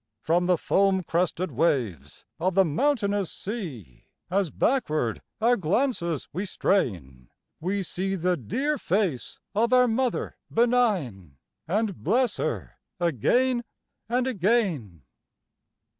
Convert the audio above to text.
From the foam crested waves of the mountainous sea As backward our glances we strain, We see the dear face of our mother benign, And bless her again and again.